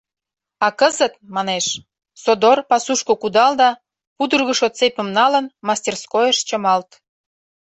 А кызыт, — манеш, — содор пасушко кудал да, пудыргышо цепьым налын, мастерскойыш чымалт.